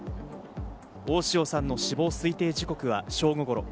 大塩さんの死亡推定時刻は正午頃。